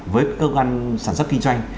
với cơ quan sản xuất kinh doanh